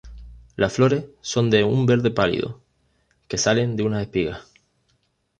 Las flores son de un verde pálido, que salen de unas espigas.